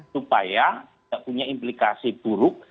supaya tidak punya implikasi buruk